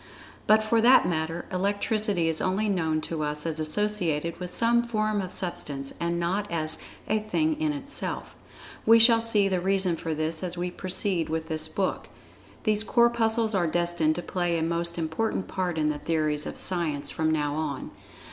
But for that matter, Electricity is only known to us as associated with some form of Substance, and not as "a thing in itself." We shall see the reason for this as we proceed with this book. These Corpuscles are destined to play a most important part in the theories of Science from now on.